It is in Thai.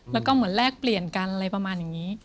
แล้วก็เหมือนแลกเปลี่ยนกันอะไรประมาณอย่างนี้